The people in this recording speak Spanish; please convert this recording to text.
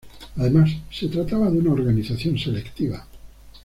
Además, se trataba de una organización selectiva.